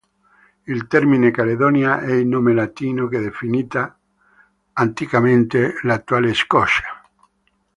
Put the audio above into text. Il termine Caledonia è il nome latino che definiva anticamente l'attuale Scozia.